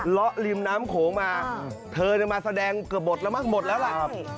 ล้อลิมน้ำโขมาเธอมาแสดงเกือบหมดแล้วล่ะ